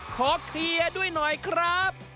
ขอเคลียร์ด้วยหน่อยครับ